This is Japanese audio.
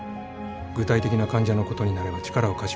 具体的な患者のことになれば力を貸します。